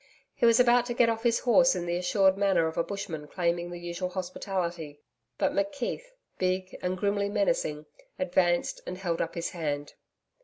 He was about to get off his horse in the assured manner of a bushman claiming the usual hospitality, but McKeith big and grimly menacing advanced and held up his hand.